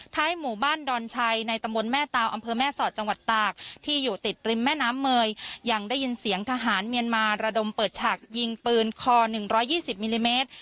หมู่บ้านดอนชัยในตำบลแม่ตาวอำเภอแม่สอดจังหวัดตากที่อยู่ติดริมแม่น้ำเมยยังได้ยินเสียงทหารเมียนมาระดมเปิดฉากยิงปืนคอ๑๒๐มิลลิเมตร